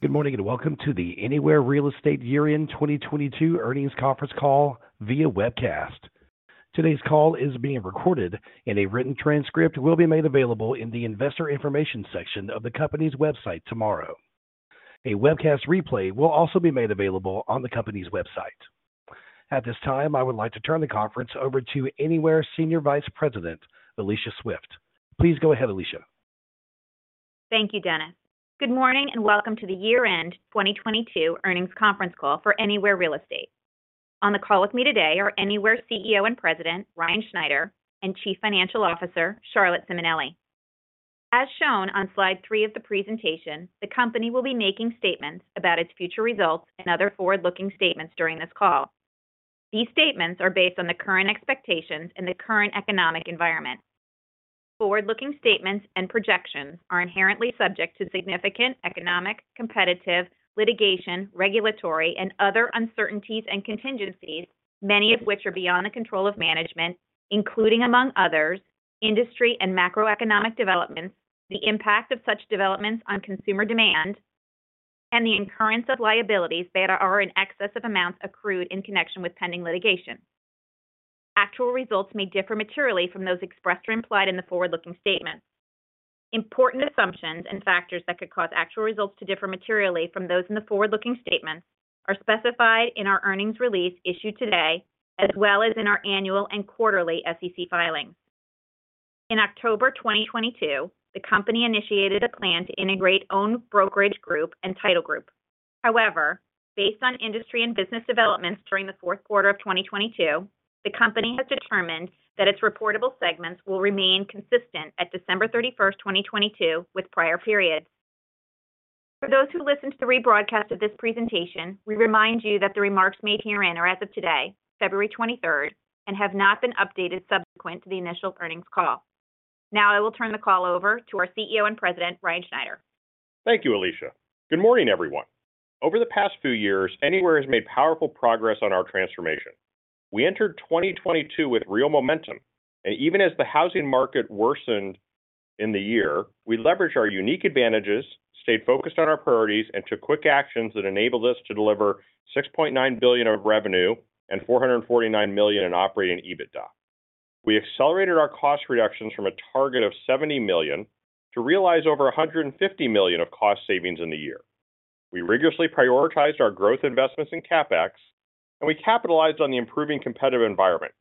Good morning, and welcome to the Anywhere Real Estate Year-End 2022 Earnings Conference Call via webcast. Today's call is being recorded, and a written transcript will be made available in the Investor Information section of the company's website tomorrow. A webcast replay will also be made available on the company's website. At this time, I would like to turn the conference over to Anywhere Senior Vice President, Alicia Swift. Please go ahead, Alicia. Thank you, Dennis. Good morning, welcome to the year-end 2022 earnings conference call for Anywhere Real Estate. On the call with me today are Anywhere CEO and President, Ryan Schneider, and Chief Financial Officer, Charlotte Simonelli. As shown on slide three of the presentation, the company will be making statements about its future results and other forward-looking statements during this call. These statements are based on the current expectations in the current economic environment. Forward-looking statements and projections are inherently subject to significant economic, competitive, litigation, regulatory, and other uncertainties and contingencies, many of which are beyond the control of management, including, among others, industry and macroeconomic developments, the impact of such developments on consumer demand, and the incurrence of liabilities that are in excess of amounts accrued in connection with pending litigation. Actual results may differ materially from those expressed or implied in the forward-looking statements. Important assumptions and factors that could cause actual results to differ materially from those in the forward-looking statements are specified in our earnings release issued today, as well as in our annual and quarterly SEC filings. In October 2022, the company initiated a plan to integrate Owned Brokerage Group and title group. Based on industry and business developments during the fourth quarter of 2022, the company has determined that its reportable segments will remain consistent at December 31st, 2022 with prior periods. For those who listen to the rebroadcast of this presentation, we remind you that the remarks made herein are as of today, February 23rd, and have not been updated subsequent to the initial earnings call. I will turn the call over to our CEO and President, Ryan Schneider. Thank you, Alicia. Good morning, everyone. Over the past few years, Anywhere has made powerful progress on our transformation. We entered 2022 with real momentum. Even as the housing market worsened in the year, we leveraged our unique advantages, stayed focused on our priorities, and took quick actions that enabled us to deliver $6.9 billion of revenue and $449 million in Operating EBITDA. We accelerated our cost reductions from a target of $70 million to realize over $150 million of cost savings in the year. We rigorously prioritized our growth investments in CapEx. We capitalized on the improving competitive environment.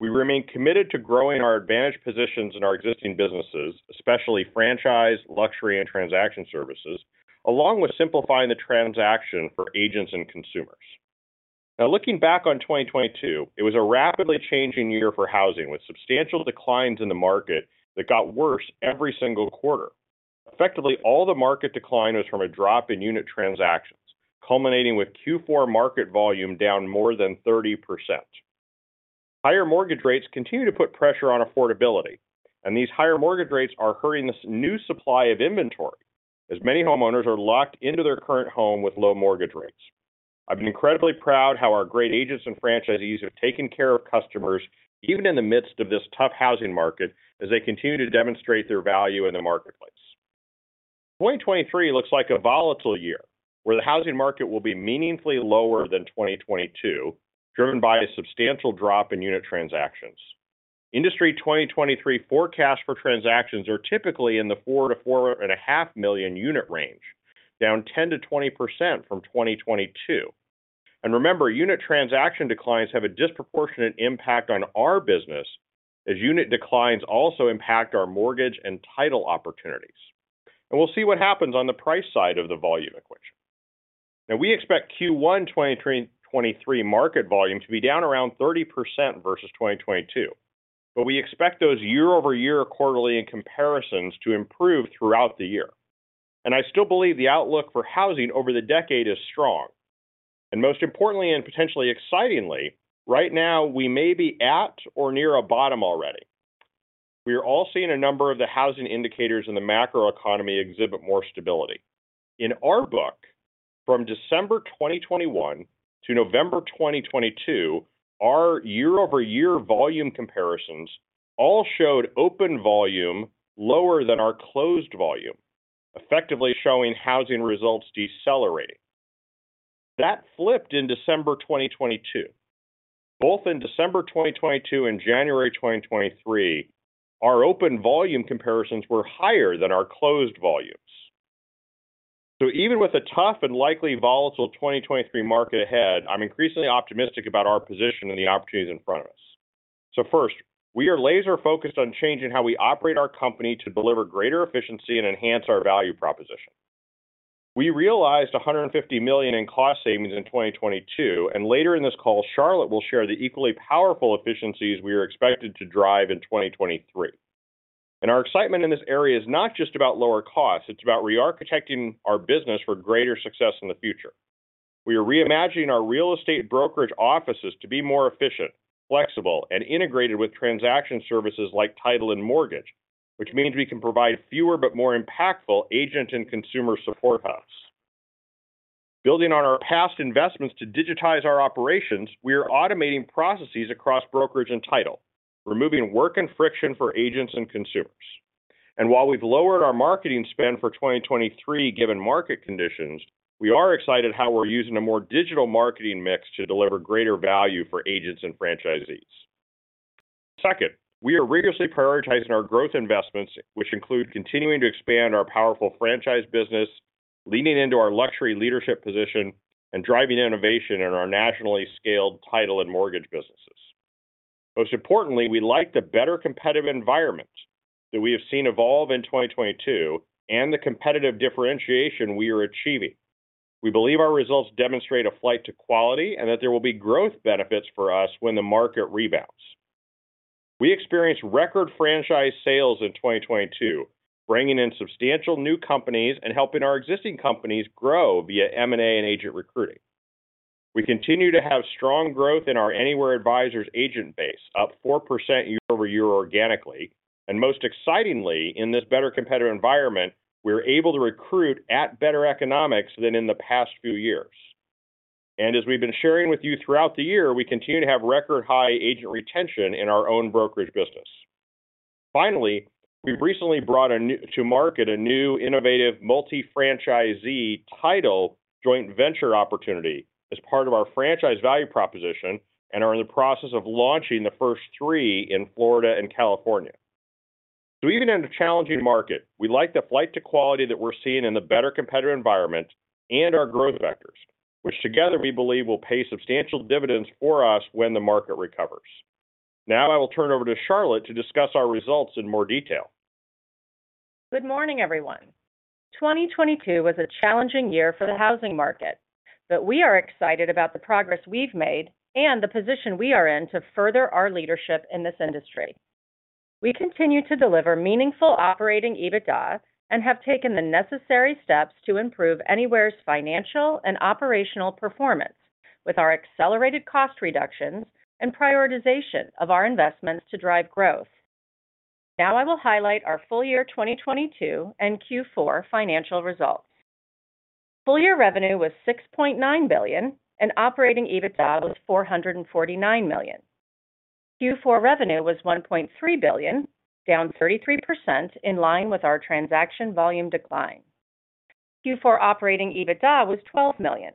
We remain committed to growing our advantaged positions in our existing businesses, especially franchise, luxury, and transaction services, along with simplifying the transaction for agents and consumers. Now looking back on 2022, it was a rapidly changing year for housing, with substantial declines in the market that got worse every single quarter. Effectively, all the market decline was from a drop in unit transactions, culminating with Q4 market volume down more than 30%. Higher mortgage rates continue to put pressure on affordability, and these higher mortgage rates are hurrying this new supply of inventory as many homeowners are locked into their current home with low mortgage rates. I've been incredibly proud how our great agents and franchisees have taken care of customers even in the midst of this tough housing market as they continue to demonstrate their value in the marketplace. 2023 looks like a volatile year, where the housing market will be meaningfully lower than 2022, driven by a substantial drop in unit transactions. Industry 2023 forecasts for transactions are typically in the 4 million-4.5 million unit range, down 10%-20% from 2022. Remember, unit transaction declines have a disproportionate impact on our business as unit declines also impact our mortgage and title opportunities. We'll see what happens on the price side of the volume equation. We expect Q1 2023 market volume to be down around 30% versus 2022, but we expect those year-over-year quarterly comparisons to improve throughout the year. I still believe the outlook for housing over the decade is strong. Most importantly and potentially excitingly, right now we may be at or near a bottom already. We are all seeing a number of the housing indicators in the macroeconomy exhibit more stability. In our book, from December 2021 to November 2022, our year-over-year volume comparisons all showed open volume lower than our closed volume, effectively showing housing results decelerating. That flipped in December 2022. Both in December 2022 and January 2023, our open volume comparisons were higher than our closed volumes. Even with a tough and likely volatile 2023 market ahead, I'm increasingly optimistic about our position and the opportunities in front of us. First, we are laser-focused on changing how we operate our company to deliver greater efficiency and enhance our value proposition. We realized $150 million in cost savings in 2022, and later in this call, Charlotte will share the equally powerful efficiencies we are expected to drive in 2023. Our excitement in this area is not just about lower costs, it's about re-architecting our business for greater success in the future. We are reimagining our real estate brokerage offices to be more efficient, flexible, and integrated with transaction services like title and mortgage, which means we can provide fewer but more impactful agent and consumer support costs. Building on our past investments to digitize our operations, we are automating processes across brokerage and title, removing work and friction for agents and consumers. While we've lowered our marketing spend for 2023 given market conditions, we are excited how we're using a more digital marketing mix to deliver greater value for agents and franchisees. Second, we are rigorously prioritizing our growth investments, which include continuing to expand our powerful franchise business, leaning into our luxury leadership position, and driving innovation in our nationally scaled title and mortgage businesses. Most importantly, we like the better competitive environment that we have seen evolve in 2022 and the competitive differentiation we are achieving. We believe our results demonstrate a flight to quality and that there will be growth benefits for us when the market rebounds. We experienced record franchise sales in 2022, bringing in substantial new companies and helping our existing companies grow via M&A and agent recruiting. We continue to have strong growth in our Anywhere Advisors agent base, up 4% year-over-year organically. Most excitingly, in this better competitive environment, we're able to recruit at better economics than in the past few years. As we've been sharing with you throughout the year, we continue to have record high agent retention in our own brokerage business. Finally, we've recently brought to market a new innovative multi-franchisee title joint venture opportunity as part of our franchise value proposition and are in the process of launching the first three in Florida and California. Even in a challenging market, we like the flight to quality that we're seeing in the better competitive environment and our growth vectors, which together we believe will pay substantial dividends for us when the market recovers. I will turn over to Charlotte to discuss our results in more detail. Good morning, everyone. 2022 was a challenging year for the housing market, we are excited about the progress we've made and the position we are in to further our leadership in this industry. We continue to deliver meaningful Operating EBITDA and have taken the necessary steps to improve Anywhere's financial and operational performance with our accelerated cost reductions and prioritization of our investments to drive growth. I will highlight our full year 2022 and Q4 financial results. Full year revenue was $6.9 billion and Operating EBITDA was $449 million. Q4 revenue was $1.3 billion, down 33% in line with our transaction volume decline. Q4 Operating EBITDA was $12 million,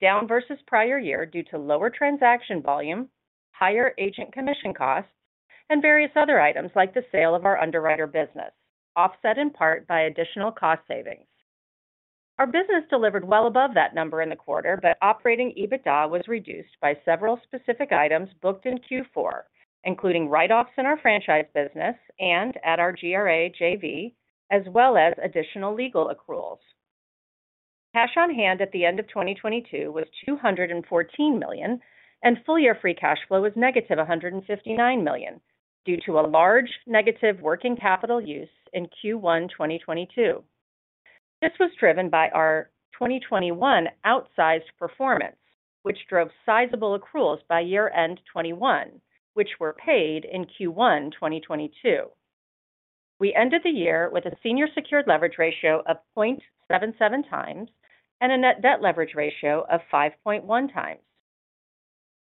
down versus prior year due to lower transaction volume, higher agent commission costs, and various other items like the sale of our underwriter business, offset in part by additional cost savings. Our business delivered well above that number in the quarter, but Operating EBITDA was reduced by several specific items booked in Q4, including write-offs in our franchise business and at our GRA JV, as well as additional legal accruals. Cash on hand at the end of 2022 was $214 million, and full year Free Cash Flow was negative $159 million due to a large negative working capital use in Q1 2022. This was driven by our 2021 outsized performance, which drove sizable accruals by year end 2021, which were paid in Q1 2022. We ended the year with a Senior Secured Leverage Ratio of 0.77 times and a net debt leverage ratio of 5.1x.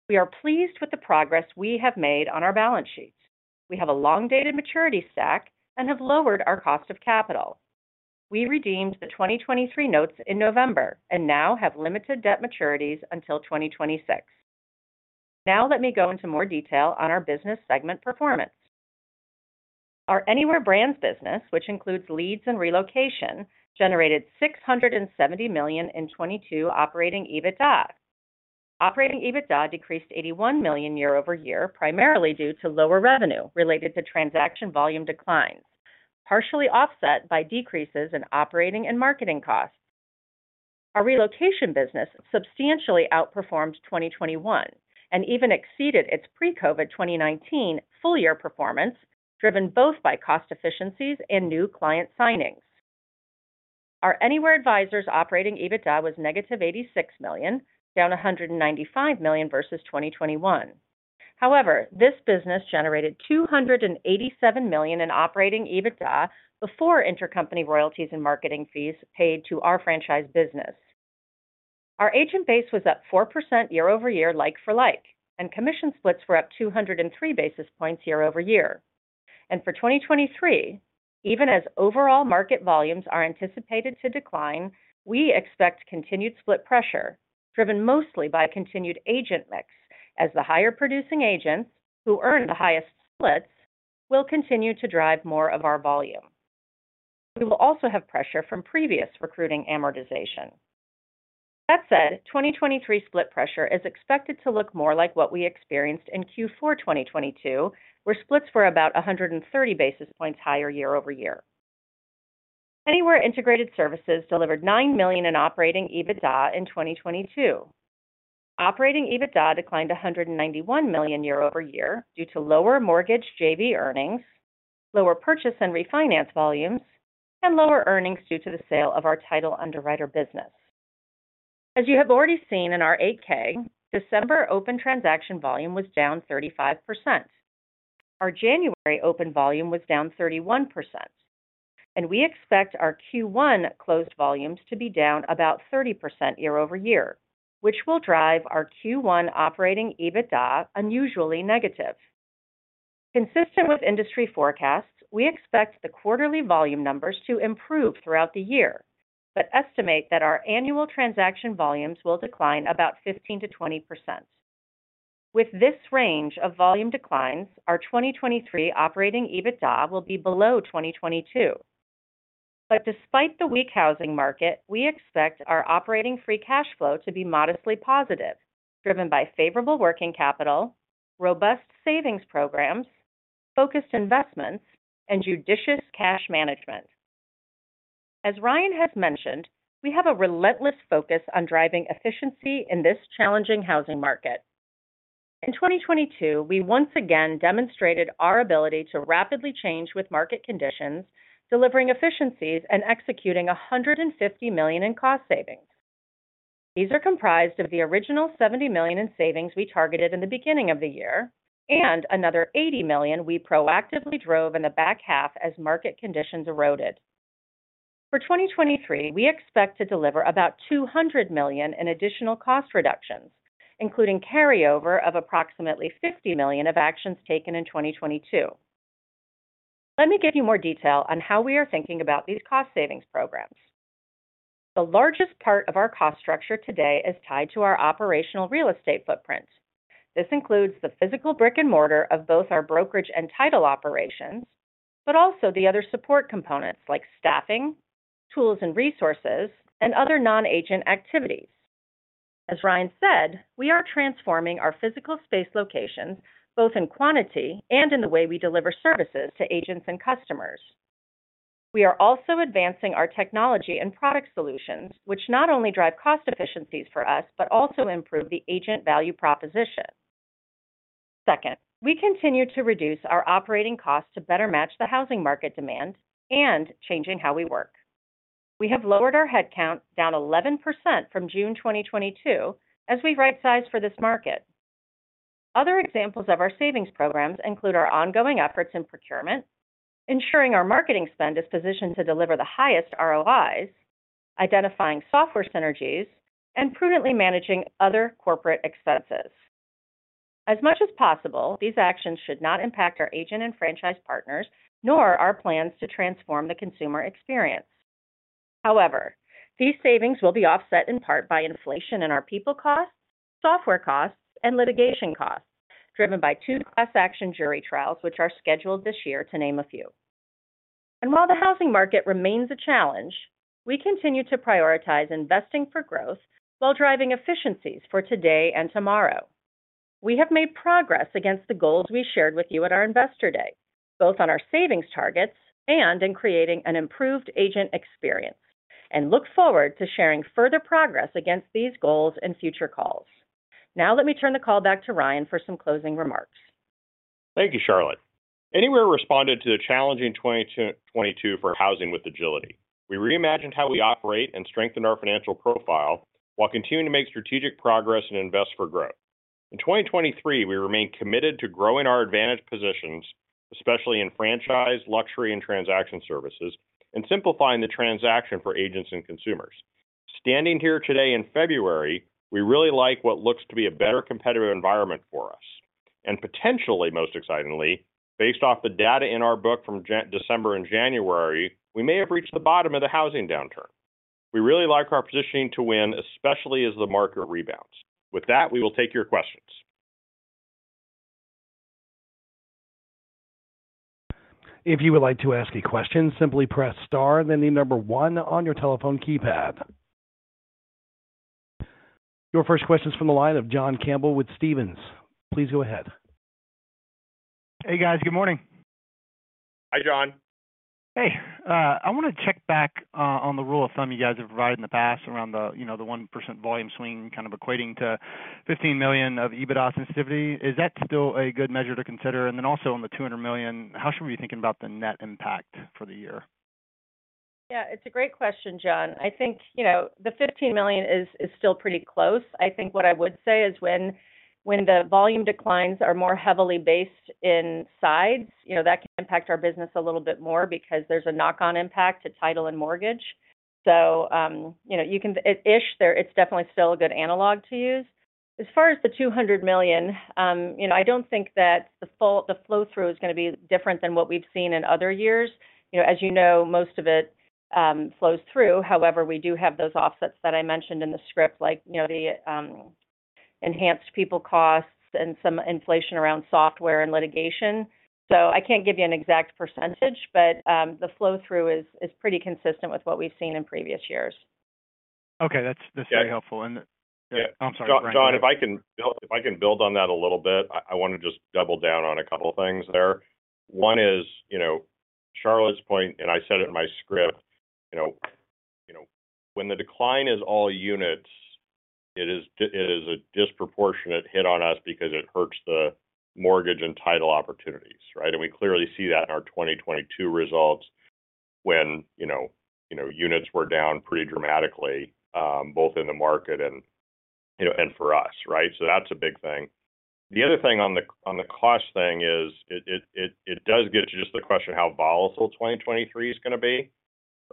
We are pleased with the progress we have made on our balance sheets. We have a long dated maturity stack and have lowered our cost of capital. We redeemed the 2023 notes in November and now have limited debt maturities until 2026. Let me go into more detail on our business segment performance. Our Anywhere Brands business, which includes leads and relocation, generated $670 million in 2022 Operating EBITDA. Operating EBITDA decreased $81 million year-over-year, primarily due to lower revenue related to transaction volume declines, partially offset by decreases in operating and marketing costs. Our relocation business substantially outperformed 2021 and even exceeded its pre-COVID 2019 full year performance, driven both by cost efficiencies and new client signings. Our Anywhere Advisors Operating EBITDA was negative $86 million, down $195 million versus 2021. However, this business generated $287 million in Operating EBITDA before intercompany royalties and marketing fees paid to our franchise business. Our agent base was up 4% year-over-year like for like, commission splits were up 203 basis points year-over-year. For 2023, even as overall market volumes are anticipated to decline, we expect continued split pressure driven mostly by continued agent mix as the higher producing agents who earn the highest split will continue to drive more of our volume. We will also have pressure from previous recruiting amortization. That said, 2023 split pressure is expected to look more like what we experienced in Q4 2022, where splits were about 130 basis points higher year-over-year. Anywhere Integrated Services delivered $9 million in Operating EBITDA in 2022. Operating EBITDA declined $191 million year-over-year due to lower mortgage JV earnings, lower purchase and refinance volumes, and lower earnings due to the sale of our title underwriter business. As you have already seen in our 8-K, December open transaction volume was down 35%. Our January open volume was down 31%. We expect our Q1 closed volumes to be down about 30% year-over-year, which will drive our Q1 Operating EBITDA unusually negative. Consistent with industry forecasts, we expect the quarterly volume numbers to improve throughout the year, but estimate that our annual transaction volumes will decline about 15%-20%. With this range of volume declines, our 2023 Operating EBITDA will be below 2022. Despite the weak housing market, we expect our operating free cash flow to be modestly positive, driven by favorable working capital, robust savings programs, focused investments, and judicious cash management. As Ryan has mentioned, we have a relentless focus on driving efficiency in this challenging housing market. In 2022, we once again demonstrated our ability to rapidly change with market conditions, delivering efficiencies and executing $150 million in cost savings. These are comprised of the original $70 million in savings we targeted in the beginning of the year and another $80 million we proactively drove in the back half as market conditions eroded. For 2023, we expect to deliver about $200 million in additional cost reductions, including carryover of approximately $50 million of actions taken in 2022. Let me give you more detail on how we are thinking about these cost savings programs. The largest part of our cost structure today is tied to our operational real estate footprint. This includes the physical brick and mortar of both our brokerage and title operations, but also the other support components like staffing, tools and resources, and other non-agent activities. As Ryan said, we are transforming our physical space locations, both in quantity and in the way we deliver services to agents and customers. We are also advancing our technology and product solutions, which not only drive cost efficiencies for us, but also improve the agent value proposition. Second, we continue to reduce our operating costs to better match the housing market demand and changing how we work. We have lowered our headcount down 11% from June 2022 as we right-size for this market. Other examples of our savings programs include our ongoing efforts in procurement, ensuring our marketing spend is positioned to deliver the highest ROIs, identifying software synergies, and prudently managing other corporate expenses. As much as possible, these actions should not impact our agent and franchise partners, nor our plans to transform the consumer experience. These savings will be offset in part by inflation in our people costs, software costs, and litigation costs, driven by two class action jury trials, which are scheduled this year to name a few. While the housing market remains a challenge, we continue to prioritize investing for growth while driving efficiencies for today and tomorrow. We have made progress against the goals we shared with you at our Investor Day, both on our savings targets and in creating an improved agent experience, and look forward to sharing further progress against these goals in future calls. Now let me turn the call back to Ryan for some closing remarks. Thank you, Charlotte. Anywhere responded to the challenging 2022 for housing with agility. We reimagined how we operate and strengthened our financial profile while continuing to make strategic progress and invest for growth. 2023, we remain committed to growing our advantage positions, especially in franchise, luxury, and transaction services, and simplifying the transaction for agents and consumers. Standing here today in February, we really like what looks to be a better competitive environment for us. Potentially, most excitingly, based off the data in our book from December and January, we may have reached the bottom of the housing downturn. We really like our positioning to win, especially as the market rebounds. With that, we will take your questions. If you would like to ask a question, simply press star, then the number one on your telephone keypad. Your first question is from the line of John Campbell with Stephens. Please go ahead. Hey, guys. Good morning. Hi, John. Hey. I wanna check back on the rule of thumb you guys have provided in the past around the, you know, the 1% volume swing kind of equating to $15 million of EBITDA sensitivity. Is that still a good measure to consider? Also on the $200 million, how should we be thinking about the net impact for the year? Yeah, it's a great question, John. I think, you know, the $15 million is still pretty close. I think what I would say is when the volume declines are more heavily based in sides, you know, that can impact our business a little bit more because there's a knock-on impact to title and mortgage. You know, it's definitely still a good analog to use. As far as the $200 million, you know, I don't think that the flow through is gonna be different than what we've seen in other years. You know, as you know, most of it flows through. However, we do have those offsets that I mentioned in the script, like, you know, the enhanced people costs and some inflation around software and litigation. I can't give you an exact percentage, but, the flow through is pretty consistent with what we've seen in previous years. Okay. That's, that's very helpful. Yeah. I'm sorry, Ryan. John, if I can build on that a little bit, I wanna just double down on a couple things there. One is, you know, Charlotte's point, and I said it in my script, you know, when the decline is all units, it is a disproportionate hit on us because it hurts the mortgage and title opportunities, right? We clearly see that in our 2022 results when, you know, units were down pretty dramatically, both in the market and, you know, for us, right? That's a big thing. The other thing on the, on the cost thing is it does get to just the question how volatile 2023 is gonna be,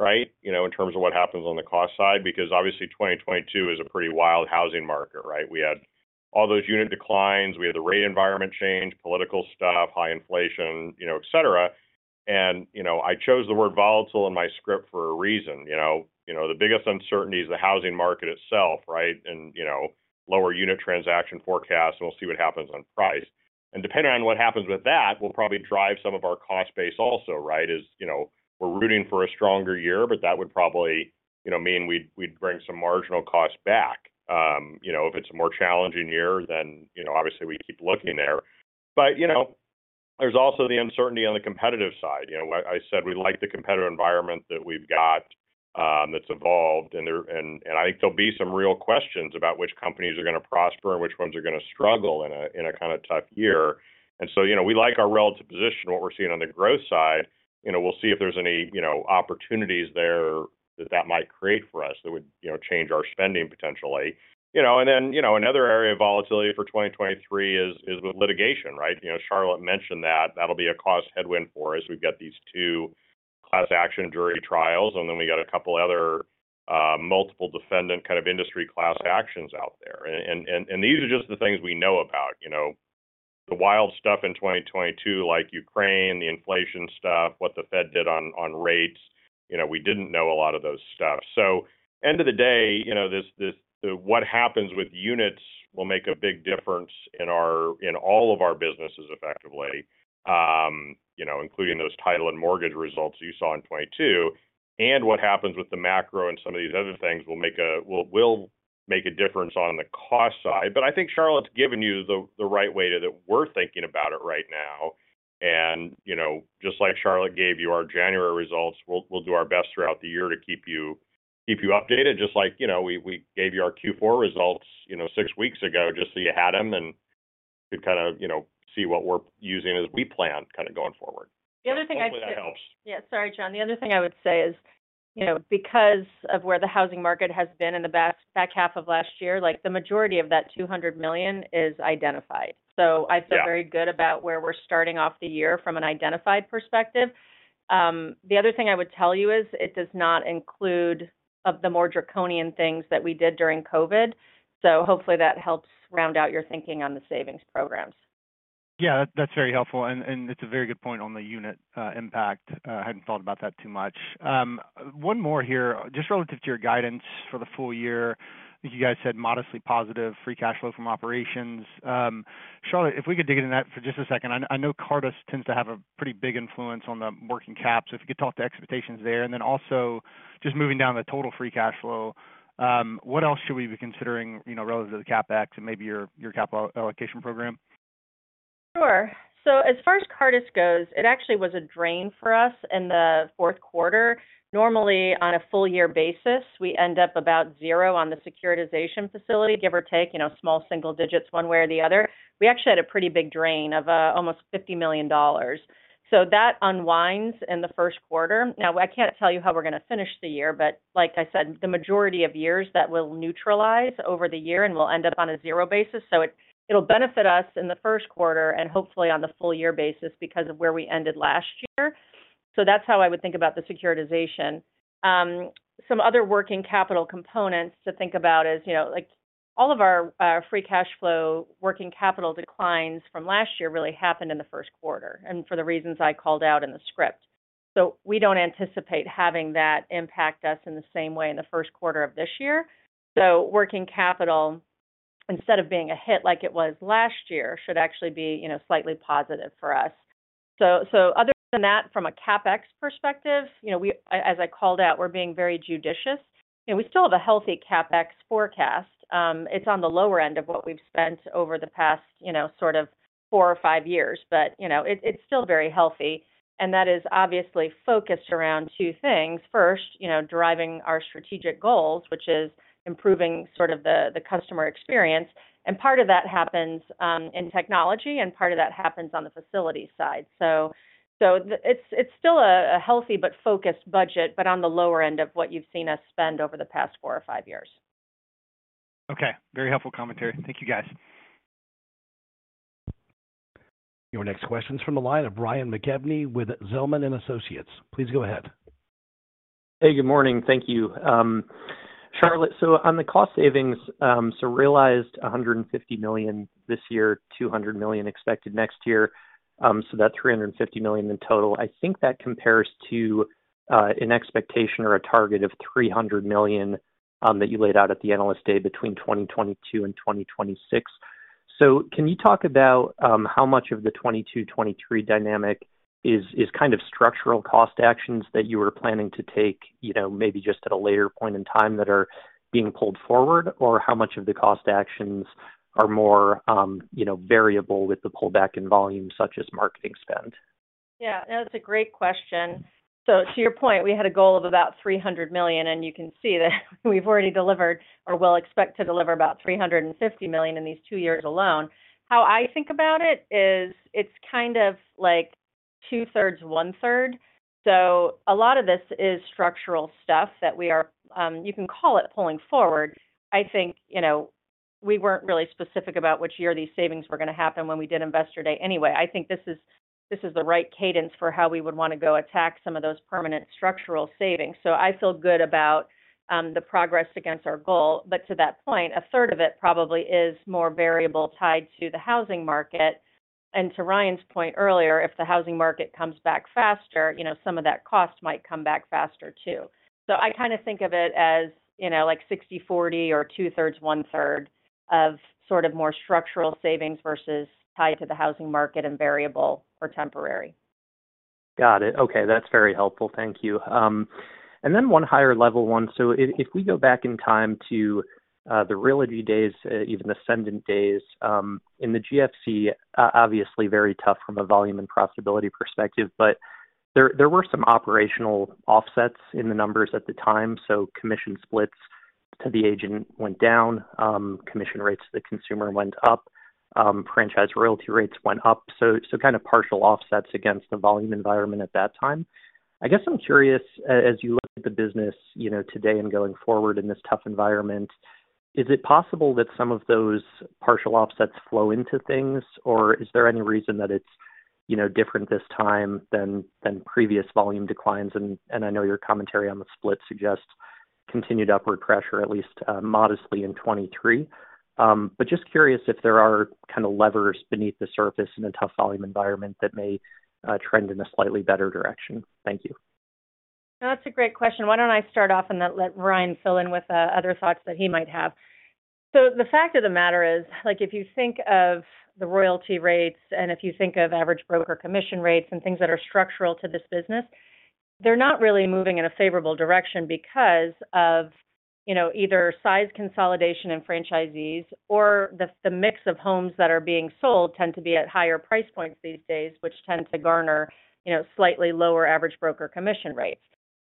right? You know, in terms of what happens on the cost side, because obviously 2022 is a pretty wild housing market, right? We had all those unit declines, we had the rate environment change, political stuff, high inflation, you know, et cetera. You know, I chose the word volatile in my script for a reason, you know. You know, the biggest uncertainty is the housing market itself, right? You know, lower unit transaction forecast, and we'll see what happens on price. Depending on what happens with that, will probably drive some of our cost base also, right? Is, you know, we're rooting for a stronger year, but that would probably, you know, mean we'd bring some marginal costs back. You know, if it's a more challenging year then, you know, obviously we keep looking there. You know, there's also the uncertainty on the competitive side. You know, I said we like the competitive environment that we've got, that's evolved and I think there'll be some real questions about which companies are gonna prosper and which ones are gonna struggle in a kinda tough year. You know, we like our relative position, what we're seeing on the growth side. You know, we'll see if there's any, you know, opportunities there that might create for us that would, you know, change our spending potentially. You know, another area of volatility for 2023 is with litigation, right? You know, Charlotte mentioned that. That'll be a cost headwind for us. We've got these two class action jury trials. We got a couple other multiple defendant kind of industry class actions out there. These are just the things we know about, you know. The wild stuff in 2022, like Ukraine, the inflation stuff, what the Fed did on rates, you know, we didn't know a lot of those stuff. End of the day, you know, what happens with units will make a big difference in all of our businesses effectively, you know, including those title and mortgage results you saw in 2022. What happens with the macro and some of these other things will make a difference on the cost side. I think Charlotte's given you the right way that we're thinking about it right now. You know, just like Charlotte gave you our January results, we'll do our best throughout the year to keep you updated. Just like, you know, we gave you our Q4 results, you know, six weeks ago, just so you had them and could kind of, you know, see what we're using as we plan kind of going forward. The other thing I'd say- Hopefully that helps. Sorry, John. The other thing I would say is, you know, because of where the housing market has been in the back half of last year, like, the majority of that $200 million is identified. Yeah.... very good about where we're starting off the year from an identified perspective. The other thing I would tell you is it does not include of the more draconian things that we did during COVID. Hopefully that helps round out your thinking on the savings programs. Yeah. That's very helpful. It's a very good point on the unit impact. I hadn't thought about that too much. One more here. Just relative to your guidance for the full year, I think you guys said modestly positive free cash flow from operations. Charlotte, if we could dig into that for just a second. I know Cartus tends to have a pretty big influence on the working cap. If you could talk to expectations there. Also just moving down the total free cash flow, what else should we be considering, you know, relative to the CapEx and maybe your capital allocation program? Sure. As far as Cartus goes, it actually was a drain for us in the fourth quarter. Normally, on a full year basis, we end up about zero on the securitization facility, give or take, you know, small single digits one way or the other. We actually had a pretty big drain of almost $50 million. That unwinds in the first quarter. Now, I can't tell you how we're gonna finish the year, but like I said, the majority of years that will neutralize over the year and will end up on a zero basis. It'll benefit us in the first quarter and hopefully on the full year basis because of where we ended last year. That's how I would think about the securitization. Some other working capital components to think about is, you know, like all of our free cash flow working capital declines from last year really happened in the first quarter, and for the reasons I called out in the script. We don't anticipate having that impact us in the same way in the first quarter of this year. Working capital, instead of being a hit like it was last year, should actually be, you know, slightly positive for us. Other than that, from a CapEx perspective, you know, as I called out, we're being very judicious, and we still have a healthy CapEx forecast. It's on the lower end of what we've spent over the past, you know, sort of four or five years. You know, it's still very healthy, and that is obviously focused around two things. First, you know, driving our strategic goals, which is improving sort of the customer experience. Part of that happens in technology, and part of that happens on the facility side. It's still a healthy but focused budget, but on the lower end of what you've seen us spend over the past four or five years. Okay. Very helpful commentary. Thank you, guys. Your next question's from the line of Ryan McKeveny with Zelman & Associates. Please go ahead. Hey, good morning. Thank you. Charlotte, on the cost savings, realized $150 million this year, $200 million expected next year, that's $350 million in total. I think that compares to an expectation or a target of $300 million that you laid out at the Analyst Day between 2022 and 2026. Can you talk about how much of the 2022/2023 dynamic is kind of structural cost actions that you were planning to take, you know, maybe just at a later point in time that are being pulled forward, or how much of the cost actions are more, you know, variable with the pullback in volume such as marketing spend? Yeah, that's a great question. To your point, we had a goal of about $300 million, and you can see that we've already delivered or will expect to deliver about $350 million in these two years alone. How I think about it is it's kind of like 2/3, 1/3. A lot of this is structural stuff that we are, you can call it pulling forward. I think, you know, we weren't really specific about which year these savings were going to happen when we did Investor Day anyway. I think this is the right cadence for how we would want to go attack some of those permanent structural savings. I feel good about the progress against our goal. To that point, a third of it probably is more variable tied to the housing market. To Ryan's point earlier, if the housing market comes back faster, you know, some of that cost might come back faster too. I kind of think of it as, you know, like 60/40 or 2/3-1/3 of sort of more structural savings versus tied to the housing market and variable or temporary. Got it. Okay. That's very helpful. Thank you. One higher level one. If we go back in time to the Realogy days, even the Cendant days, in the GFC, obviously very tough from a volume and profitability perspective, but there were some operational offsets in the numbers at the time. Commission splits to the agent went down, commission rates to the consumer went up, franchise royalty rates went up. Kind of partial offsets against the volume environment at that time. I guess I'm curious, as you look at the business, you know, today and going forward in this tough environment, is it possible that some of those partial offsets flow into things, or is there any reason that it's, you know, different this time than previous volume declines? I know your commentary on the split suggests continued upward pressure at least modestly in 2023. Just curious if there are kind of levers beneath the surface in a tough volume environment that may trend in a slightly better direction. Thank you. No, that's a great question. Why don't I start off and then let Ryan fill in with other thoughts that he might have. The fact of the matter is, like, if you think of the royalty rates, and if you think of average broker commission rates and things that are structural to this business, they're not really moving in a favorable direction because of, you know, either size consolidation in franchisees or the mix of homes that are being sold tend to be at higher price points these days, which tend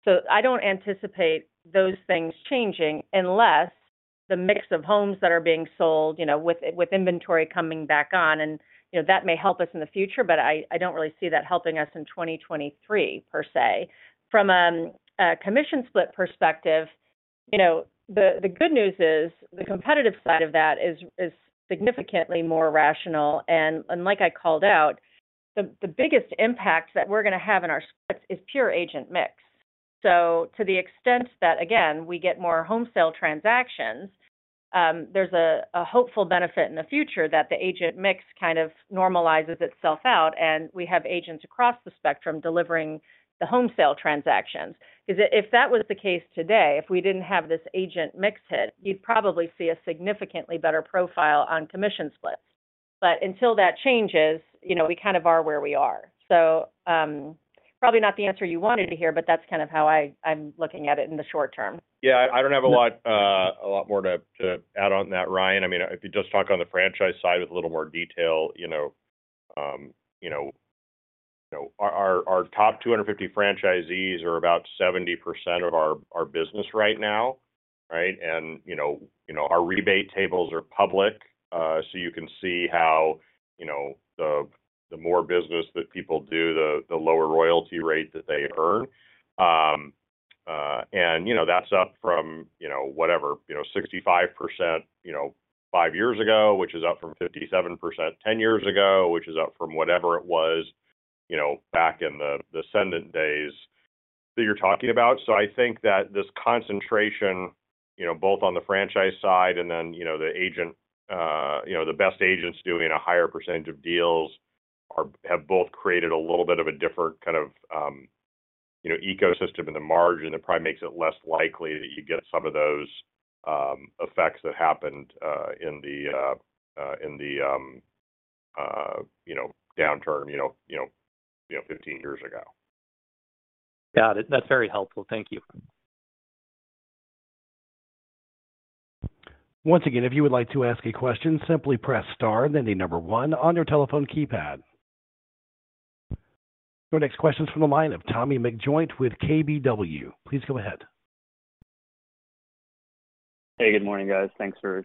to garner, you know, slightly lower average broker commission rates. I don't anticipate those things changing unless the mix of homes that are being sold, you know, with inventory coming back on and, you know, that may help us in the future, but I don't really see that helping us in 2023 per se. From a commission split perspective, you know, the good news is the competitive side of that is significantly more rational. Like I called out, the biggest impact that we're gonna have in our scripts is pure agent mix. To the extent that, again, we get more home sale transactions, there's a hopeful benefit in the future that the agent mix kind of normalizes itself out, and we have agents across the spectrum delivering the home sale transactions. If that was the case today, if we didn't have this agent mix hit, you'd probably see a significantly better profile on commission splits. Until that changes, you know, we kind of are where we are. Probably not the answer you wanted to hear, but that's kind of how I'm looking at it in the short term. Yeah. I don't have a lot to add on that, Ryan. I mean, if you just talk on the franchise side with a little more detail, you know, our top 250 franchisees are about 70% of our business right now, right? Our rebate tables are public, so you can see how, you know, the more business that people do, the lower royalty rate that they earn. And, you know, that's up from, you know, whatever, you know, 65%, five years ago, which is up from 57% 10 years ago, which is up from whatever it was, you know, back in the Cendant days that you're talking about. I think that this concentration, you know, both on the franchise side and then, you know, the agent, you know, the best agents doing a higher percentage of deals have both created a little bit of a different kind of, you know, ecosystem in the margin that probably makes it less likely that you get some of those effects that happened in the you know downturn, you know, 15 years ago. Got it. That's very helpful. Thank you. Once again, if you would like to ask a question, simply press star and then the number one on your telephone keypad. Your next question is from the line of Tommy McJoynt with KBW. Please go ahead. Sure.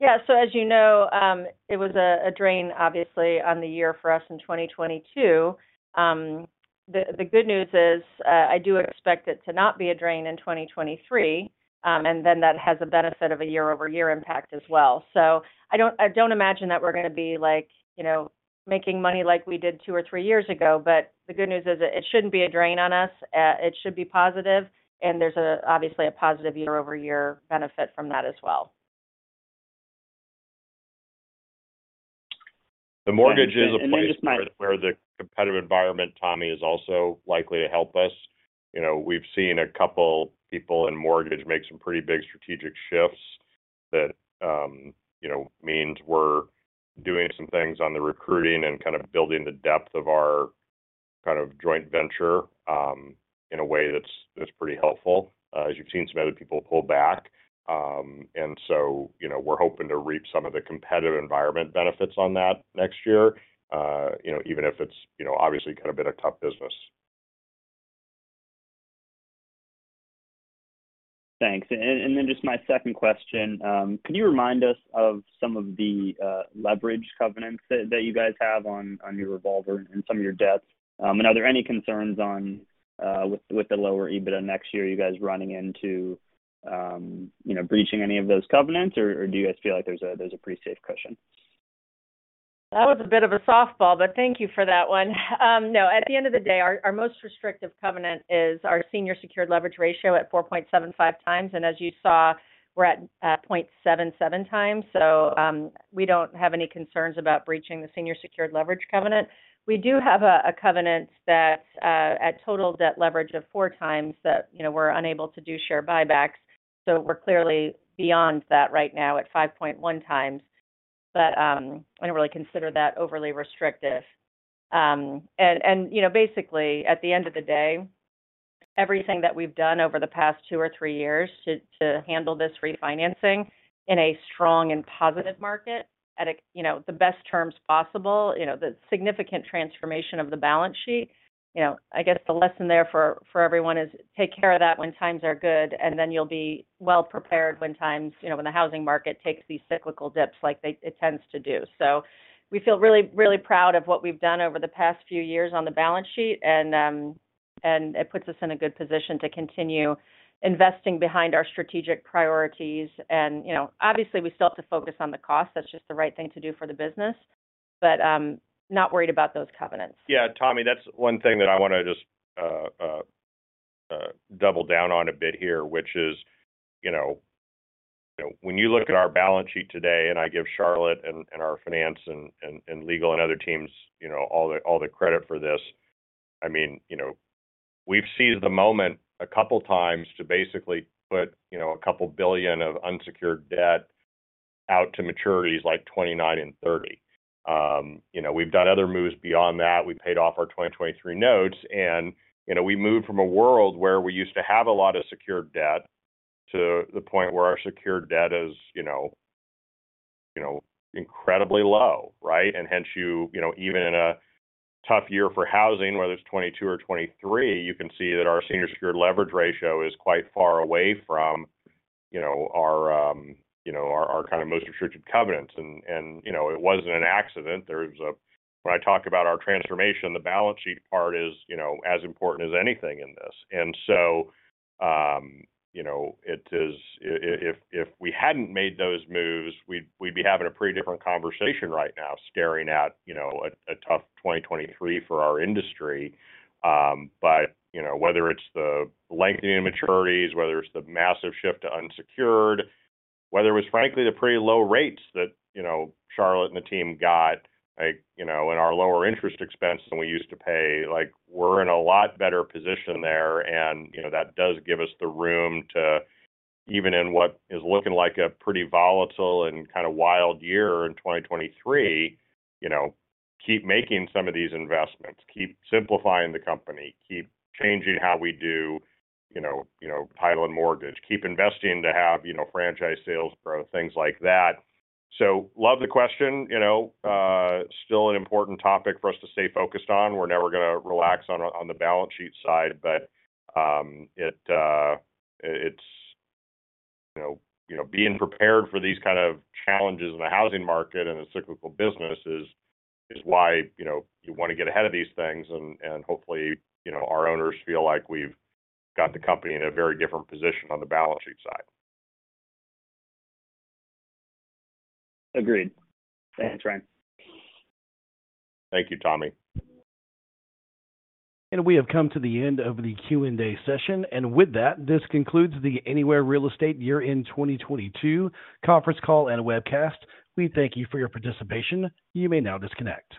Yeah. As you know, it was a drain obviously on the year for us in 2022. The good news is, I do expect it to not be a drain in 2023. That has a benefit of a year-over-year impact as well. I don't imagine that we're gonna be like, you know, making money like we did two or three years ago. The good news is that it shouldn't be a drain on us. It should be positive, and there's obviously a positive year-over-year benefit from that as well. The mortgage is a place where the competitive environment, Tommy, is also likely to help us. You know, we've seen a couple people in mortgage make some pretty big strategic shifts that, you know, means we're doing some things on the recruiting and kind of building the depth of our kind of joint venture, in a way that's pretty helpful. As you've seen some other people pull back. You know, we're hoping to reap some of the competitive environment benefits on that next year. You know, even if it's, you know, obviously kind of been a tough business. Thanks. Then just my second question. Could you remind us of some of the leverage covenants that you guys have on your revolver and some of your debts? Are there any concerns on with the lower EBITDA next year, you guys running into, you know, breaching any of those covenants or do you guys feel like there's a pretty safe cushion? That was a bit of a softball, but thank you for that one. No. At the end of the day, our most restrictive covenant is our Senior Secured Leverage Ratio at 4.75x. As you saw, we're at 0.77x. We don't have any concerns about breaching the Senior Secured Leverage covenant. We do have a covenant that's at total debt leverage of 4 times that, you know, we're unable to do share buybacks. We're clearly beyond that right now at 5.1x. I don't really consider that overly restrictive. And, you know, basically, at the end of the day, everything that we've done over the past two or three years to handle this refinancing in a strong and positive market at the best terms possible, the significant transformation of the balance sheet. I guess the lesson there for everyone is take care of that when times are good, and then you'll be well prepared when times, when the housing market takes these cyclical dips like it tends to do. So we feel really, really proud of what we've done over the past few years on the balance sheet. And it puts us in a good position to continue investing behind our strategic priorities. And obviously, we still have to focus on the cost. That's just the right thing to do for the business. Not worried about those covenants. Yeah, Tommy, that's one thing that I wanna just double down on a bit here, which is, you know, when you look at our balance sheet today, and I give Charlotte and our finance and legal and other teams, you know, all the credit for this. I mean, you know, we've seized the moment a couple times to basically put, you know, $2 billion of unsecured debt out to maturities like 2029 and 2030. You know, we've done other moves beyond that. We paid off our 2023 notes. You know, we moved from a world where we used to have a lot of secured debt to the point where our secured debt is, you know, incredibly low, right. Hence you know, even in a tough year for housing, whether it's 2022 or 2023, you can see that our senior secured leverage ratio is quite far away from, you know, our, you know, our kind of most restricted covenants. It wasn't an accident. When I talk about our transformation, the balance sheet part is, you know, as important as anything in this. You know, it is If we hadn't made those moves, we'd be having a pretty different conversation right now, staring at, you know, a tough 2023 for our industry. Whether it's the lengthening maturities, whether it's the massive shift to unsecured, whether it was frankly the pretty low rates that Charlotte and the team got, in our lower interest expense than we used to pay, we're in a lot better position there. That does give us the room to even in what is looking like a pretty volatile and kinda wild year in 2023, keep making some of these investments, keep simplifying the company, keep changing how we do, you know, title and mortgage, keep investing to have franchise sales growth, things like that. Love the question. Still an important topic for us to stay focused on. We're never gonna relax on the balance sheet side. It's, you know, you know, being prepared for these kind of challenges in the housing market and the cyclical business is why, you know, you wanna get ahead of these things. Hopefully, you know, our owners feel like we've got the company in a very different position on the balance sheet side. Agreed. Thanks, Ryan. Thank you, Tommy. We have come to the end of the Q&A session. With that, this concludes the Anywhere Real Estate Year-End 2022 conference call and webcast. We thank you for your participation. You may now disconnect.